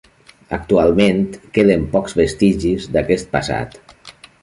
Actualment queden pocs vestigis d'aquest passat.